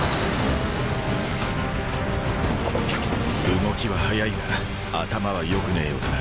動きは速いが頭はよくねぇようだな。